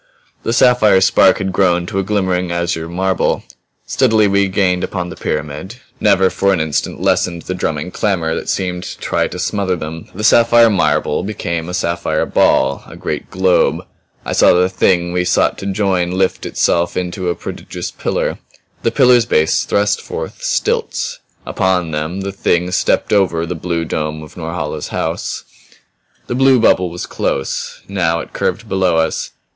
The sapphire spark had grown to a glimmering azure marble. Steadily we gained upon the pyramid. Never for an instant ceased that scourging hail of notes from Norhala never for an instant lessened the drumming clamor that seemed to try to smother them. The sapphire marble became a sapphire ball, a great globe. I saw the Thing we sought to join lift itself into a prodigious pillar; the pillar's base thrust forth stilts; upon them the Thing stepped over the blue dome of Norhala's house. The blue bubble was close; now it curved below us.